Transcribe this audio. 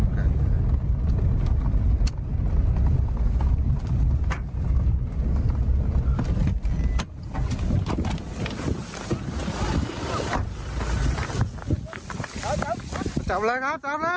จับเข้ามา